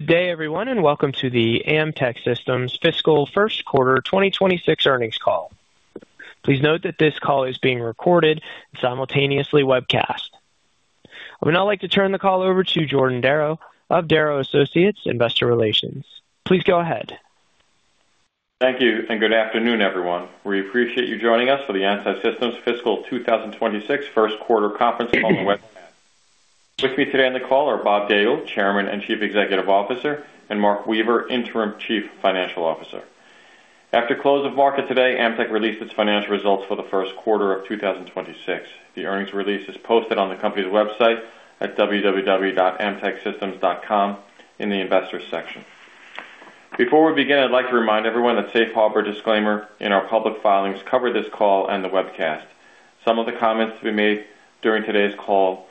Good day everyone and welcome to the Amtech Systems fiscal first quarter 2026 earnings call. Please note that this call is being recorded and simultaneously webcast. I would now like to turn the call over to Jordan Darrow of Darrow Associates Investor Relations. Please go ahead. Thank you and good afternoon everyone. We appreciate you joining us for the Amtech Systems fiscal 2026 first quarter conference call on the webcast. With me today on the call are Bob Daigle, Chairman and Chief Executive Officer, and Mark Weaver, Interim Chief Financial Officer. After close of market today, Amtech released its financial results for the first quarter of 2026. The earnings release is posted on the company's website at www.amtechsystems.com in the investors section. Before we begin, I'd like to remind everyone that safe harbor disclaimer in our public filings cover this call and the webcast. Some of the comments to be made during today's call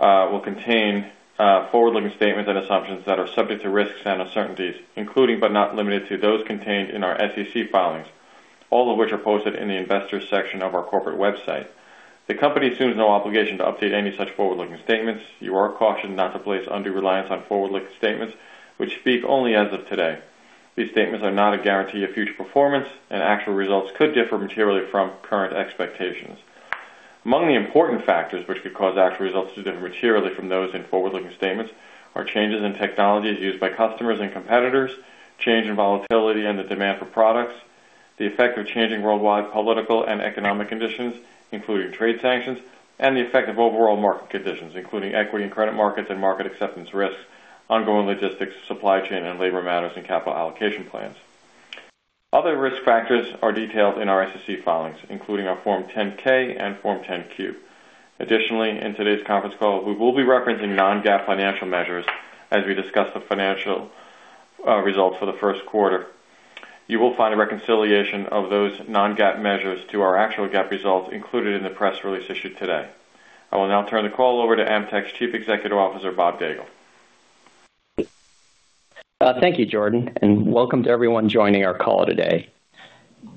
will contain forward-looking statements and assumptions that are subject to risks and uncertainties, including but not limited to those contained in our SEC filings, all of which are posted in the investors section of our corporate website. The company assumes no obligation to update any such forward-looking statements. You are cautioned not to place undue reliance on forward-looking statements which speak only as of today. These statements are not a guarantee of future performance and actual results could differ materially from current expectations. Among the important factors which could cause actual results to differ materially from those in forward-looking statements are changes in technologies used by customers and competitors, change in volatility and the demand for products, the effect of changing worldwide political and economic conditions including trade sanctions, and the effect of overall market conditions including equity in credit markets and market acceptance risks, ongoing logistics, supply chain and labor matters, and capital allocation plans. Other risk factors are detailed in our SEC filings including our Form 10-K and Form 10-Q. Additionally, in today's conference call, we will be referencing non-GAAP financial measures as we discuss the financial results for the first quarter. You will find a reconciliation of those non-GAAP measures to our actual GAAP results included in the press release issued today. I will now turn the call over to Amtech's Chief Executive Officer Bob Daigle. Thank you, Jordan, and welcome to everyone joining our call today.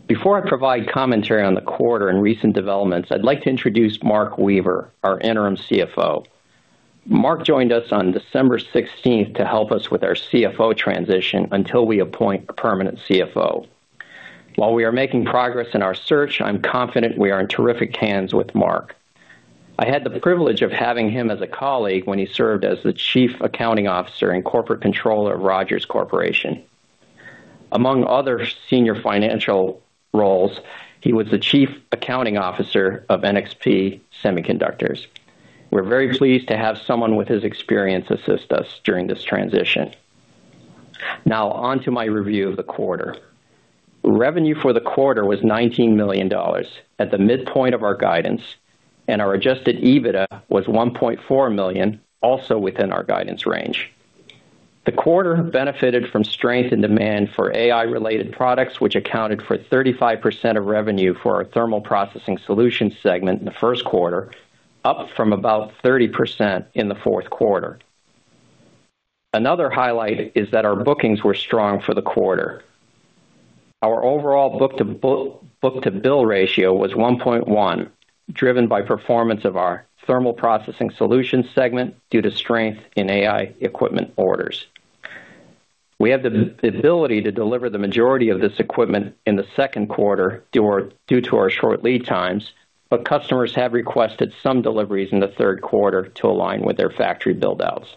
Before I provide commentary on the quarter and recent developments, I'd like to introduce Mark Weaver, our interim CFO. Mark joined us on December 16th to help us with our CFO transition until we appoint a permanent CFO. While we are making progress in our search, I'm confident we are in terrific hands with Mark. I had the privilege of having him as a colleague when he served as the Chief Accounting Officer and Corporate Controller of Rogers Corporation. Among other senior financial roles, he was the Chief Accounting Officer of NXP Semiconductors. We're very pleased to have someone with his experience assist us during this transition. Now, onto my review of the quarter. Revenue for the quarter was $19 million at the midpoint of our guidance and our Adjusted EBITDA was $1.4 million, also within our guidance range. The quarter benefited from strength in demand for AI-related products which accounted for 35% of revenue for our Thermal Processing Solutions segment in the first quarter, up from about 30% in the fourth quarter. Another highlight is that our bookings were strong for the quarter. Our overall book-to-bill ratio was 1.1, driven by performance of our Thermal Processing Solutions segment due to strength in AI equipment orders. We have the ability to deliver the majority of this equipment in the second quarter due to our short lead times, but customers have requested some deliveries in the third quarter to align with their factory build-outs.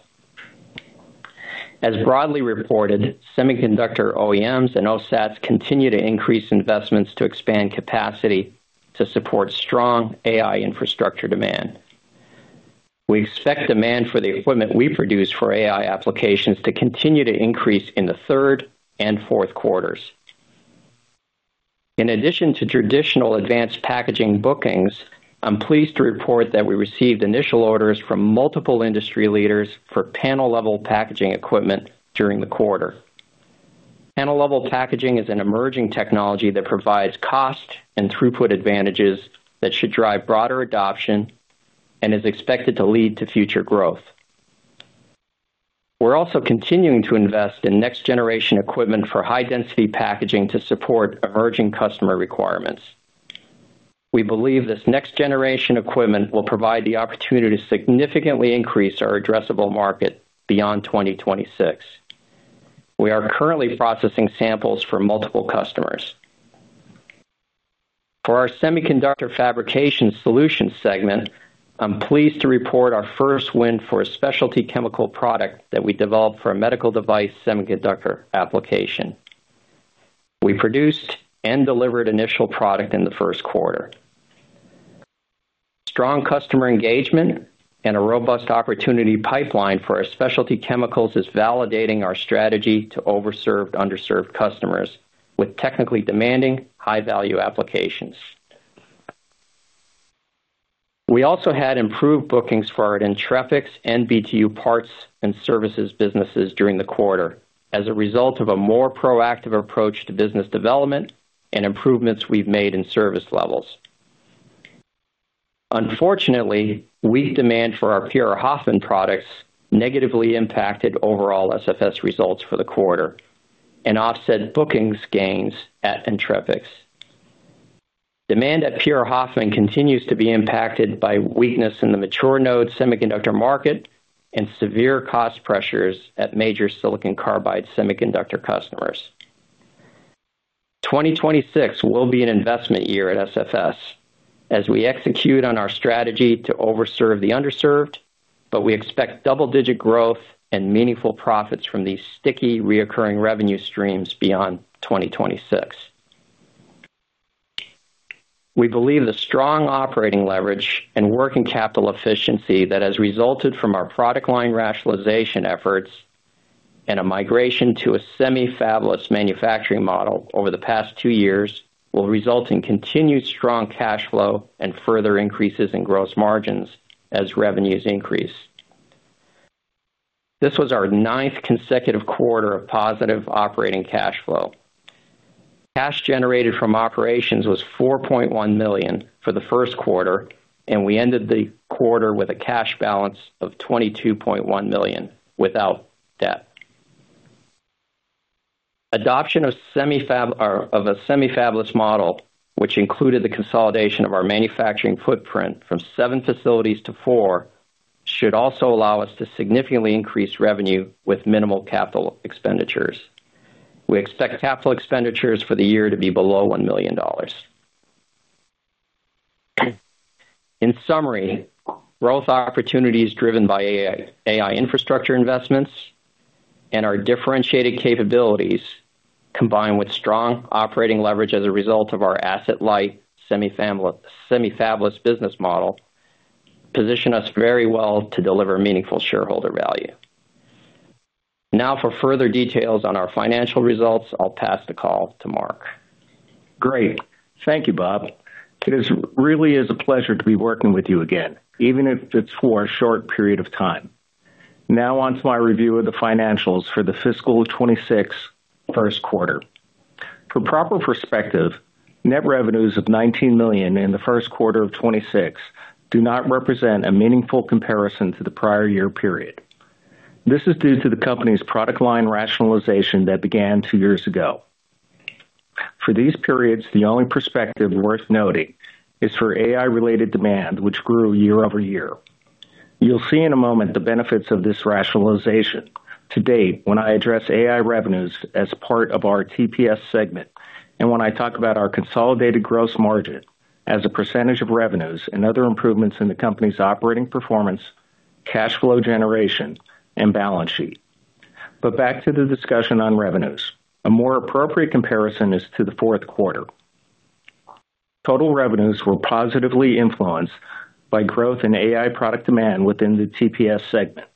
As broadly reported, semiconductor OEMs and OSATs continue to increase investments to expand capacity to support strong AI infrastructure demand. We expect demand for the equipment we produce for AI applications to continue to increase in the third and fourth quarters. In addition to traditional advanced packaging bookings, I'm pleased to report that we received initial orders from multiple industry leaders for panel-level packaging equipment during the quarter. Panel-level packaging is an emerging technology that provides cost and throughput advantages that should drive broader adoption and is expected to lead to future growth. We're also continuing to invest in next-generation equipment for high-density packaging to support emerging customer requirements. We believe this next-generation equipment will provide the opportunity to significantly increase our addressable market beyond 2026. We are currently processing samples for multiple customers. For our Semiconductor Fabrication Solutions segment, I'm pleased to report our first win for a specialty chemical product that we developed for a medical device semiconductor application. We produced and delivered initial product in the first quarter. Strong customer engagement and a robust opportunity pipeline for our specialty chemicals is validating our strategy to overserved, underserved customers with technically demanding, high-value applications. We also had improved bookings for our Entrepix and BTU Parts and Services businesses during the quarter as a result of a more proactive approach to business development and improvements we've made in service levels. Unfortunately, weak demand for our PR Hoffman products negatively impacted overall SFS results for the quarter and offset bookings gains at Entrepix. Demand at PR Hoffman continues to be impacted by weakness in the mature node semiconductor market and severe cost pressures at major silicon carbide semiconductor customers. 2026 will be an investment year at SFS as we execute on our strategy to overserve the underserved, but we expect double-digit growth and meaningful profits from these sticky reoccurring revenue streams beyond 2026. We believe the strong operating leverage and working capital efficiency that has resulted from our product line rationalization efforts and a migration to a semi-fabless manufacturing model over the past two years will result in continued strong cash flow and further increases in gross margins as revenues increase. This was our ninth consecutive quarter of positive operating cash flow. Cash generated from operations was $4.1 million for the first quarter and we ended the quarter with a cash balance of $22.1 million without debt. Adoption of a semi-fabless model which included the consolidation of our manufacturing footprint from seven facilities to four should also allow us to significantly increase revenue with minimal capital expenditures. We expect capital expenditures for the year to be below $1 million. In summary, growth opportunities driven by AI infrastructure investments and our differentiated capabilities combined with strong operating leverage as a result of our asset-light semi-fabless business model position us very well to deliver meaningful shareholder value. Now, for further details on our financial results, I'll pass the call to Mark. Great. Thank you, Bob. It really is a pleasure to be working with you again, even if it's for a short period of time. Now, onto my review of the financials for the fiscal 2026 first quarter. For proper perspective, net revenues of $19 million in the first quarter of 2026 do not represent a meaningful comparison to the prior year period. This is due to the company's product line rationalization that began two years ago. For these periods, the only perspective worth noting is for AI-related demand which grew year-over-year. You'll see in a moment the benefits of this rationalization. To date, when I address AI revenues as part of our TPS segment and when I talk about our consolidated gross margin as a percentage of revenues and other improvements in the company's operating performance, cash flow generation, and balance sheet. Back to the discussion on revenues, a more appropriate comparison is to the fourth quarter. Total revenues were positively influenced by growth in AI product demand within the TPS segment.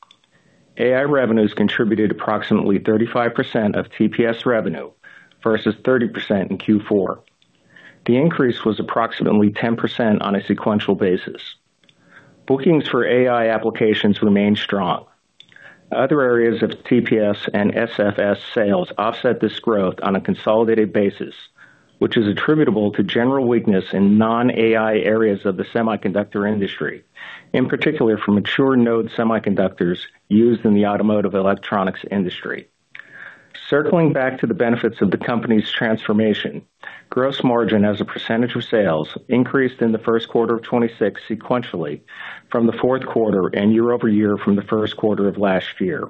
AI revenues contributed approximately 35% of TPS revenue versus 30% in Q4. The increase was approximately 10% on a sequential basis. Bookings for AI applications remained strong. Other areas of TPS and SFS sales offset this growth on a consolidated basis, which is attributable to general weakness in non-AI areas of the semiconductor industry, in particular for mature node semiconductors used in the automotive electronics industry. Circling back to the benefits of the company's transformation, gross margin as a percentage of sales increased in the first quarter of 2026 sequentially from the fourth quarter and year-over-year from the first quarter of last year.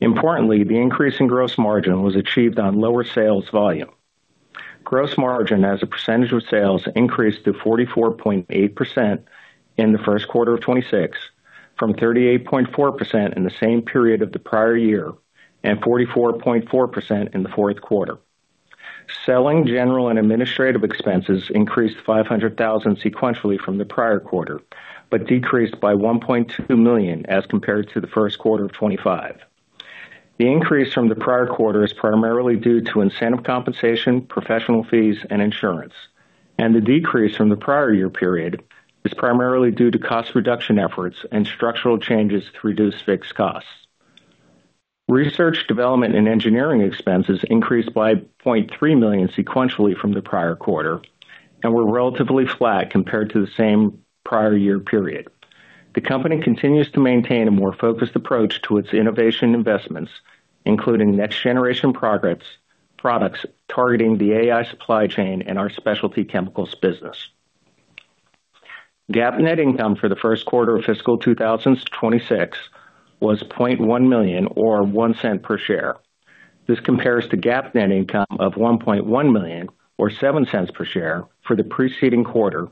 Importantly, the increase in gross margin was achieved on lower sales volume. Gross margin as a percentage of sales increased to 44.8% in the first quarter of 2026 from 38.4% in the same period of the prior year and 44.4% in the fourth quarter. Selling general and administrative expenses increased $500,000 sequentially from the prior quarter but decreased by $1.2 million as compared to the first quarter of 2025. The increase from the prior quarter is primarily due to incentive compensation, professional fees, and insurance, and the decrease from the prior year period is primarily due to cost reduction efforts and structural changes to reduce fixed costs. Research, development, and engineering expenses increased by $0.3 million sequentially from the prior quarter and were relatively flat compared to the same prior year period. The company continues to maintain a more focused approach to its innovation investments, including next-generation products targeting the AI supply chain and our specialty chemicals business. GAAP net income for the first quarter of fiscal 2026 was $0.1 million or $0.01 per share. This compares to GAAP net income of $1.1 million or $0.07 per share for the preceding quarter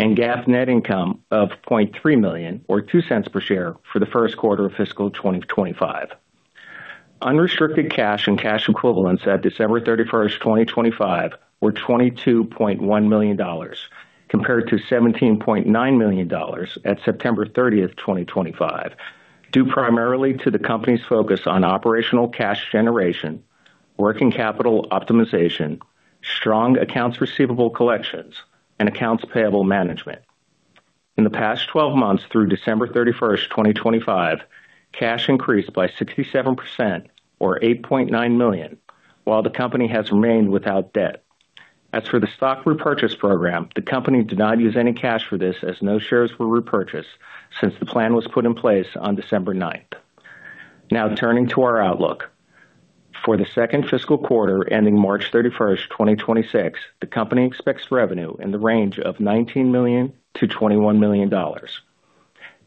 and GAAP net income of $0.3 million or $0.02 per share for the first quarter of fiscal 2025. Unrestricted cash and cash equivalents at December 31st, 2025, were $22.1 million compared to $17.9 million at September 30th, 2025, due primarily to the company's focus on operational cash generation, working capital optimization, strong accounts receivable collections, and accounts payable management. In the past 12 months through December 31st, 2025, cash increased by 67% or $8.9 million while the company has remained without debt. As for the stock repurchase program, the company did not use any cash for this as no shares were repurchased since the plan was put in place on December 9th. Now, turning to our outlook. For the second fiscal quarter ending March 31st, 2026, the company expects revenue in the range of $19 million-$21 million.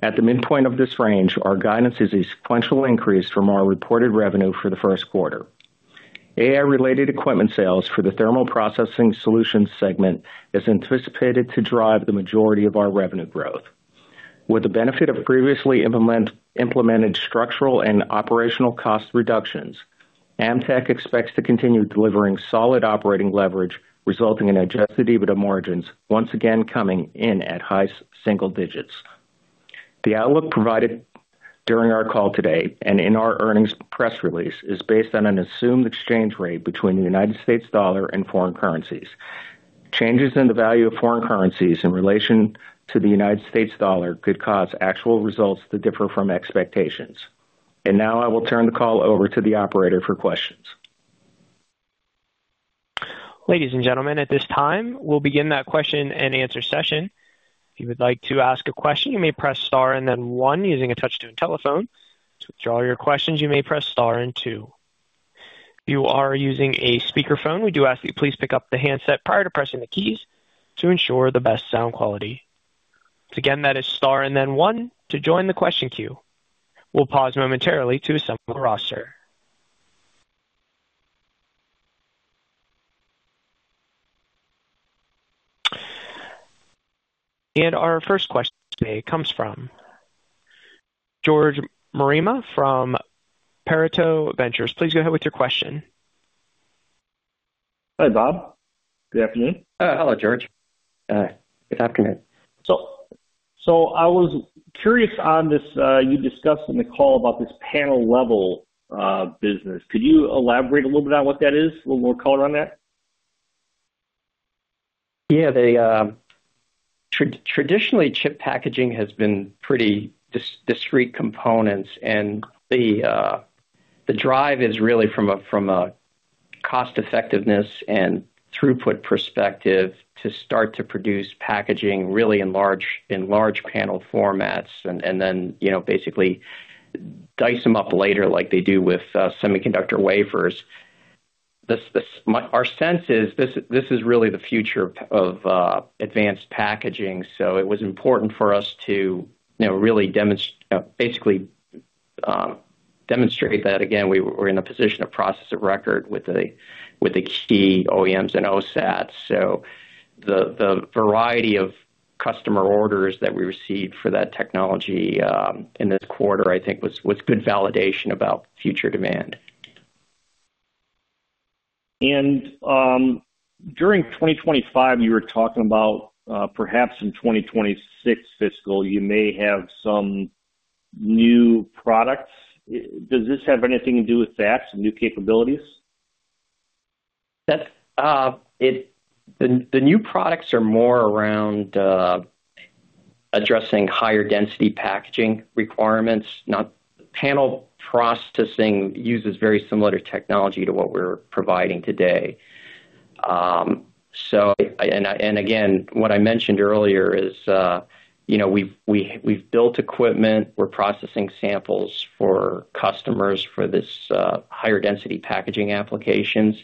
At the midpoint of this range, our guidance is a sequential increase from our reported revenue for the first quarter. AI-related equipment sales for the Thermal Processing Solutions segment is anticipated to drive the majority of our revenue growth. With the benefit of previously implemented structural and operational cost reductions, Amtech expects to continue delivering solid operating leverage resulting in Adjusted EBITDA margins once again coming in at high single digits. The outlook provided during our call today and in our earnings press release is based on an assumed exchange rate between the United States dollar and foreign currencies. Changes in the value of foreign currencies in relation to the United States dollar could cause actual results to differ from expectations. Now I will turn the call over to the operator for questions. Ladies and gentlemen, at this time, we'll begin that question and answer session. If you would like to ask a question, you may press star and then one using a touchscreen telephone. To withdraw your questions, you may press star and two. If you are using a speakerphone, we do ask that you please pick up the handset prior to pressing the keys to ensure the best sound quality. Once again, that is star and then one to join the question queue. We'll pause momentarily to assemble the roster. Our first question today comes from George Marema from Pareto Ventures. Please go ahead with your question. Hi, Bob. Good afternoon. Hello, George. Good afternoon. I was curious on this you discussed in the call about this panel-level business. Could you elaborate a little bit on what that is, a little more color on that? Yeah. Traditionally, chip packaging has been pretty discrete components, and the drive is really from a cost-effectiveness and throughput perspective to start to produce packaging really in large panel formats and then basically dice them up later like they do with semiconductor wafers. Our sense is this is really the future of advanced packaging, so it was important for us to really basically demonstrate that. Again, we were in a position of process of record with the key OEMs and OSATs. So the variety of customer orders that we received for that technology in this quarter, I think, was good validation about future demand. During 2025, you were talking about perhaps in 2026 fiscal, you may have some new products. Does this have anything to do with that, some new capabilities? The new products are more around addressing higher density packaging requirements. Panel processing uses very similar technology to what we're providing today. And again, what I mentioned earlier is we've built equipment, we're processing samples for customers for these higher density packaging applications,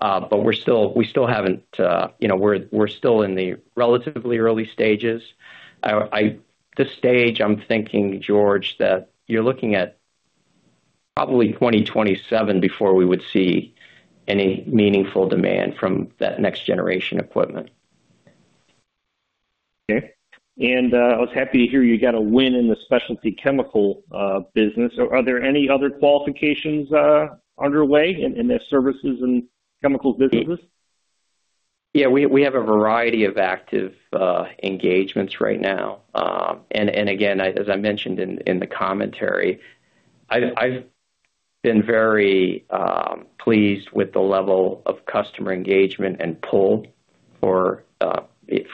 but we're still in the relatively early stages. At this stage, I'm thinking, George, that you're looking at probably 2027 before we would see any meaningful demand from that next generation equipment. Okay. I was happy to hear you got a win in the specialty chemical business. Are there any other qualifications underway in the services and chemical businesses? Yeah. We have a variety of active engagements right now. Again, as I mentioned in the commentary, I've been very pleased with the level of customer engagement and pull for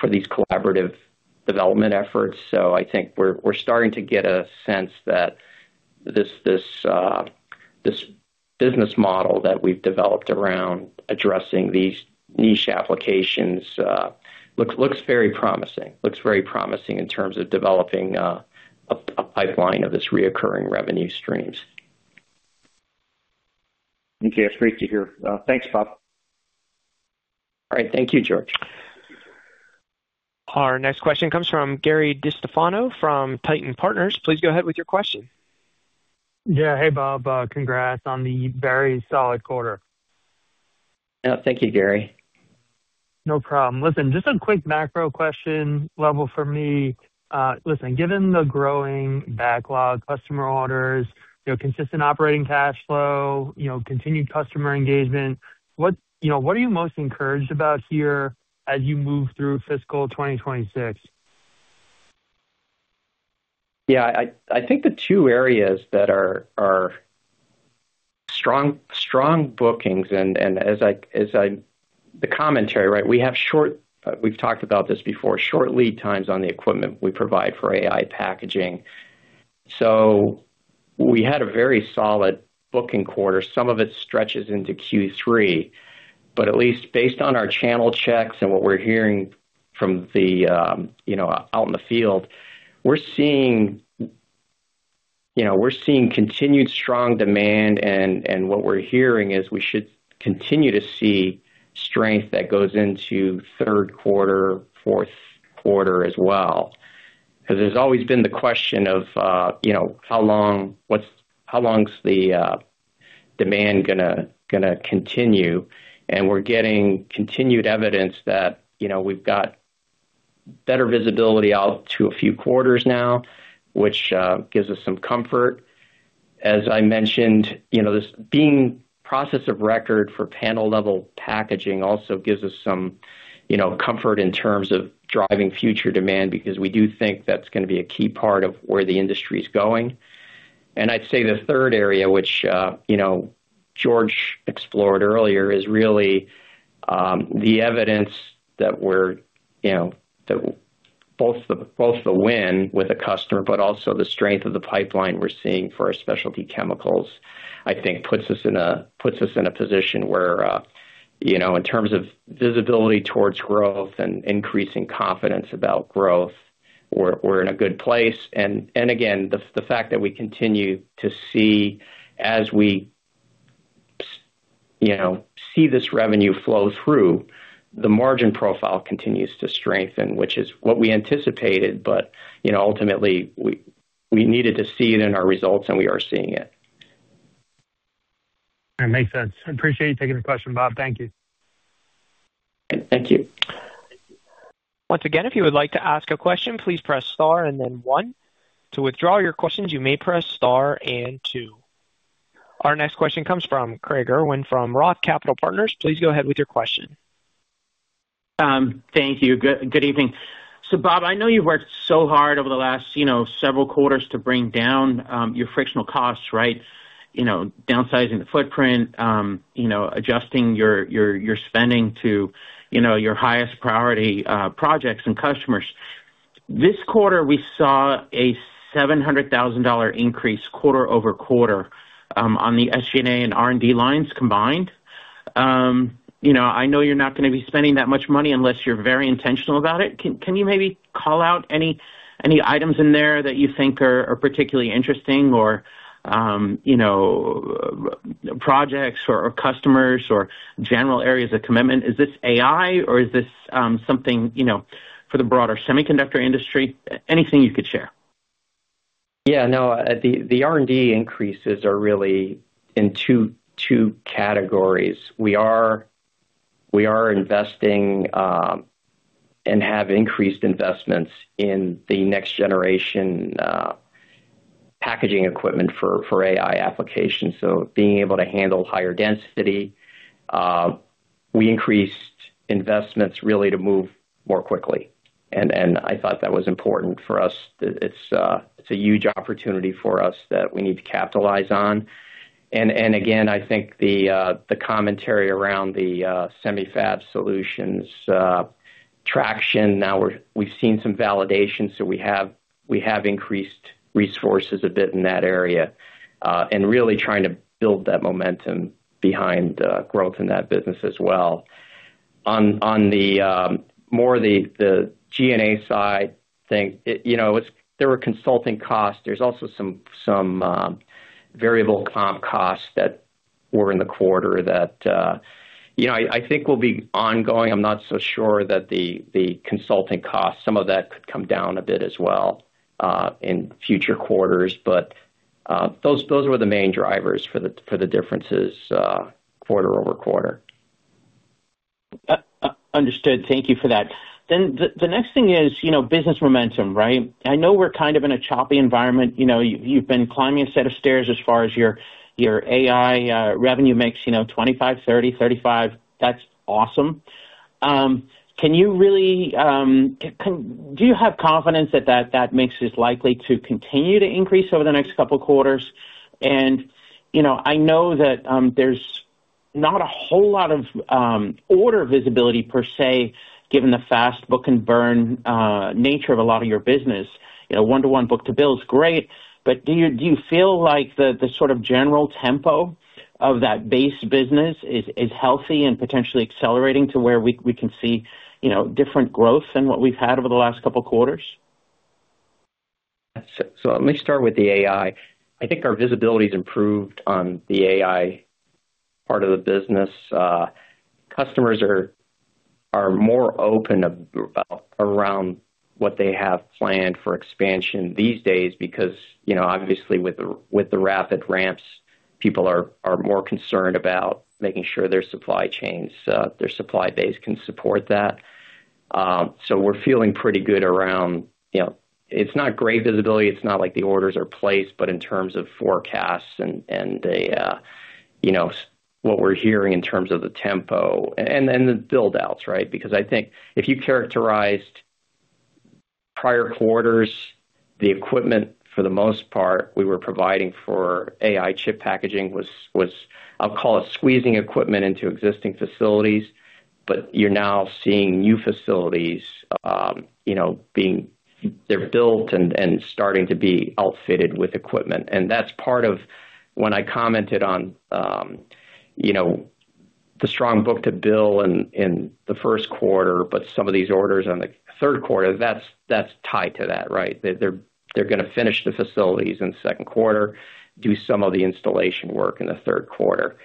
these collaborative development efforts. I think we're starting to get a sense that this business model that we've developed around addressing these niche applications looks very promising. Looks very promising in terms of developing a pipeline of these recurring revenue streams. Okay. That's great to hear. Thanks, Bob. All right. Thank you, George. Our next question comes from Gary DiStefano from Titan Partners. Please go ahead with your question. Yeah. Hey, Bob. Congrats on the very solid quarter. Thank you, Gary. No problem. Listen, just a quick macro question level for me. Listen, given the growing backlog, customer orders, consistent operating cash flow, continued customer engagement, what are you most encouraged about here as you move through fiscal 2026? Yeah. I think the two areas that are strong bookings and as in the commentary, right? We have short lead times. We've talked about this before: short lead times on the equipment we provide for AI packaging. So we had a very solid booking quarter. Some of it stretches into Q3, but at least based on our channel checks and what we're hearing from those out in the field, we're seeing continued strong demand. And what we're hearing is we should continue to see strength that goes into third quarter, fourth quarter as well. Because there's always been the question of how long is the demand going to continue? And we're getting continued evidence that we've got better visibility out to a few quarters now, which gives us some comfort. As I mentioned, this being the process of record for panel-level packaging also gives us some comfort in terms of driving future demand because we do think that's going to be a key part of where the industry is going. And I'd say the third area, which George explored earlier, is really the evidence that both the win with a customer but also the strength of the pipeline we're seeing for our specialty chemicals, I think, puts us in a position where in terms of visibility towards growth and increasing confidence about growth, we're in a good place. And again, the fact that we continue to see as we see this revenue flow through, the margin profile continues to strengthen, which is what we anticipated, but ultimately, we needed to see it in our results, and we are seeing it. That makes sense. I appreciate you taking the question, Bob. Thank you. Thank you. Once again, if you would like to ask a question, please press star and then one. To withdraw your questions, you may press star and two. Our next question comes from Craig Irwin from Roth Capital Partners. Please go ahead with your question. Thank you. Good evening. So Bob, I know you've worked so hard over the last several quarters to bring down your frictional costs, right? Downsizing the footprint, adjusting your spending to your highest priority projects and customers. This quarter, we saw a $700,000 increase quarter-over-quarter on the SG&A and R&D lines combined. I know you're not going to be spending that much money unless you're very intentional about it. Can you maybe call out any items in there that you think are particularly interesting or projects or customers or general areas of commitment? Is this AI, or is this something for the broader semiconductor industry? Anything you could share. Yeah. No. The R&D increases are really in two categories. We are investing and have increased investments in the next generation packaging equipment for AI applications. So being able to handle higher density, we increased investments really to move more quickly. And I thought that was important for us. It's a huge opportunity for us that we need to capitalize on. And again, I think the commentary around the semi-fab solutions traction. Now we've seen some validation, so we have increased resources a bit in that area and really trying to build that momentum behind growth in that business as well. On more of the G&A side thing, there were consulting costs. There's also some variable comp costs that were in the quarter that I think will be ongoing. I'm not so sure that the consulting costs, some of that could come down a bit as well in future quarters. But those were the main drivers for the differences quarter-over-quarter. Understood. Thank you for that. Then the next thing is business momentum, right? I know we're kind of in a choppy environment. You've been climbing a set of stairs as far as your AI revenue makes 25, 30, 35. That's awesome. Can you really? Do you have confidence that that mix is likely to continue to increase over the next couple of quarters? And I know that there's not a whole lot of order visibility per se, given the fast book-and-burn nature of a lot of your business. 1-to-1 book-to-bill is great. But do you feel like the sort of general tempo of that base business is healthy and potentially accelerating to where we can see different growth than what we've had over the last couple of quarters? So let me start with the AI. I think our visibility is improved on the AI part of the business. Customers are more open around what they have planned for expansion these days because, obviously, with the rapid ramps, people are more concerned about making sure their supply chains, their supply base can support that. So we're feeling pretty good around it. It's not great visibility. It's not like the orders are placed, but in terms of forecasts and what we're hearing in terms of the tempo and the buildouts, right? Because I think if you characterized prior quarters, the equipment, for the most part, we were providing for AI chip packaging was, I'll call it, squeezing equipment into existing facilities. But you're now seeing new facilities being built and starting to be outfitted with equipment. And that's part of when I commented on the strong book-to-bill in the first quarter, but some of these orders on the third quarter, that's tied to that, right? They're going to finish the facilities in the second quarter, do some of the installation work in the third quarter.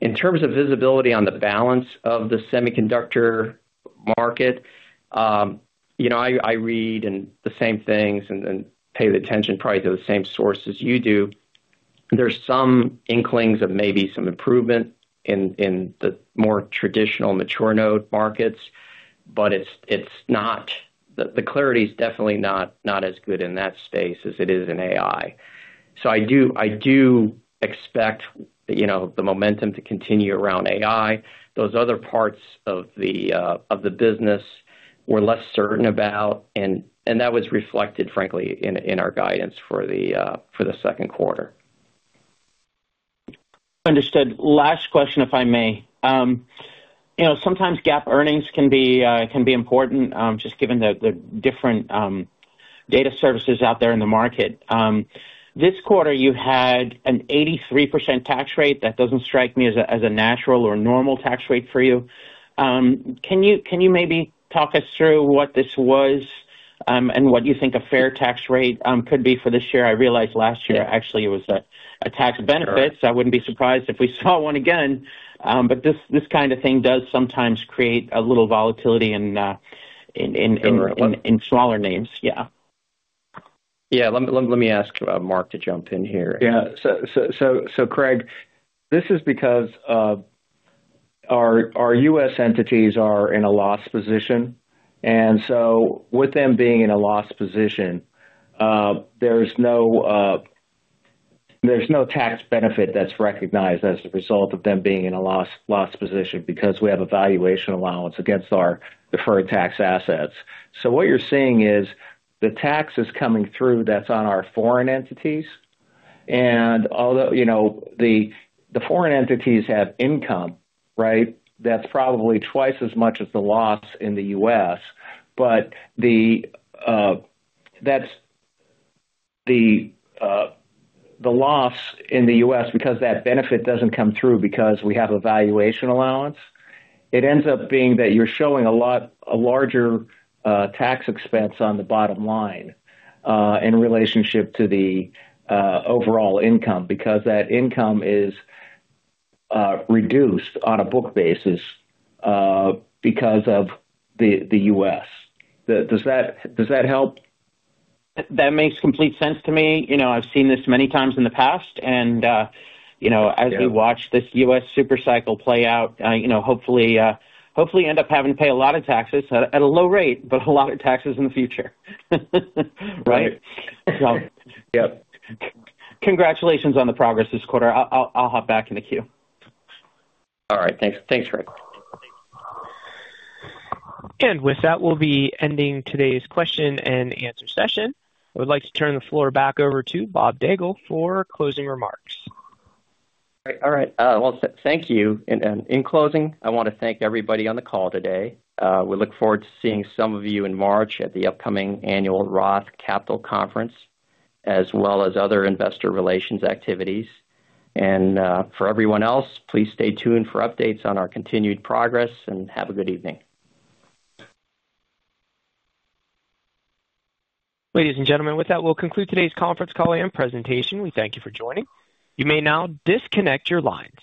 In terms of visibility on the balance of the semiconductor market, I read the same things and pay the same attention probably to the same sources you do. There's some inklings of maybe some improvement in the more traditional mature node markets, but the clarity is definitely not as good in that space as it is in AI. So I do expect the momentum to continue around AI. Those other parts of the business, we're less certain about, and that was reflected, frankly, in our guidance for the second quarter. Understood. Last question, if I may. Sometimes GAAP earnings can be important, just given the different data services out there in the market. This quarter, you had an 83% tax rate. That doesn't strike me as a natural or normal tax rate for you. Can you maybe talk us through what this was and what you think a fair tax rate could be for this year? I realized last year, actually, it was a tax benefit. So I wouldn't be surprised if we saw one again. But this kind of thing does sometimes create a little volatility in smaller names. Yeah. Yeah. Let me ask Mark to jump in here. Yeah. So Craig, this is because our U.S. entities are in a loss position. And so with them being in a loss position, there's no tax benefit that's recognized as a result of them being in a loss position because we have a valuation allowance against our deferred tax assets. So what you're seeing is the tax is coming through that's on our foreign entities. And although the foreign entities have income, right, that's probably twice as much as the loss in the U.S. But the loss in the U.S., because that benefit doesn't come through because we have a valuation allowance, it ends up being that you're showing a larger tax expense on the bottom line in relationship to the overall income because that income is reduced on a book basis because of the U.S. Does that help? That makes complete sense to me. I've seen this many times in the past. As we watch this U.S. supercycle play out, hopefully, end up having to pay a lot of taxes at a low rate, but a lot of taxes in the future, right? So congratulations on the progress this quarter. I'll hop back in the queue. All right. Thanks, Craig. With that, we'll be ending today's question and answer session. I would like to turn the floor back over to Bob Daigle for closing remarks. All right. Well, thank you. In closing, I want to thank everybody on the call today. We look forward to seeing some of you in March at the upcoming annual Roth Capital Conference as well as other investor relations activities. For everyone else, please stay tuned for updates on our continued progress and have a good evening. Ladies and gentlemen, with that, we'll conclude today's conference call and presentation. We thank you for joining. You may now disconnect your lines.